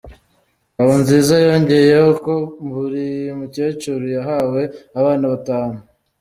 Ngabonziza yongeyeho ko buri mukecuru yahawe abana batanu.